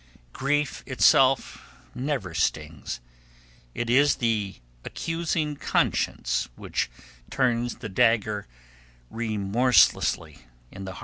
Grief itself never stings; it is the accusing conscience which turns the dagger remorselessly in the heart.